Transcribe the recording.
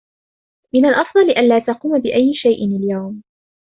من الأفضل ألا تقوم بأي شيء اليوم.